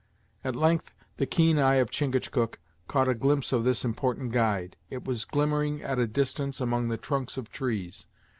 At length the keen eye of Chingachgook caught a glimpse of this important guide. It was glimmering at a distance among the trunks of trees.